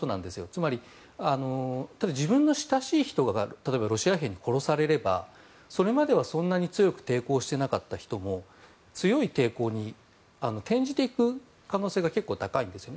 つまり、自分の親しい人が例えばロシア兵に殺されればそれまではそんなに強く抵抗していなかった人も強い抵抗に転じていく可能性が結構高いんですね。